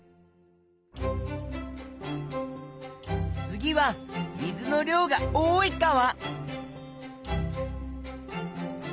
次は水の量が多い川。